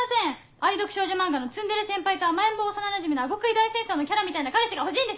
愛読少女漫画の『ツンデレ先輩と甘えん坊幼馴染みの顎クイ大戦争』のキャラみたいな彼氏が欲しいんです！